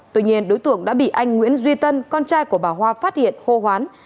tuy nhiên đối tượng đã bị anh nguyễn duy tân con trai của bà hoa phát hiện hô hoán